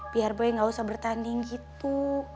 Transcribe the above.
biar bayi gak usah bertanding gitu